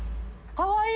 かわいい。